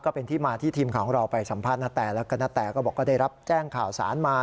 เป็นที่มาที่ทีมข่าวของเราไปสัมภาษณ์นาแตแล้วก็ณแตก็บอกก็ได้รับแจ้งข่าวสารมา